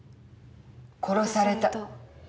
殺された。